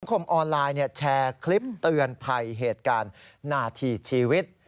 คมออนไลน์แชร์คลิปเตือนภัยเหตุการณ์นาทีชีวิต